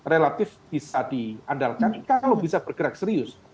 relatif bisa diandalkan kalau bisa bergerak serius